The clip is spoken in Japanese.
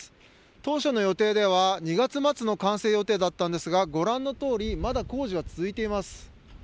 当初の予定では２月末の完成予定だったんですがまだ工事は続いています。